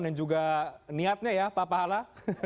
dan juga niatnya ya pak pahala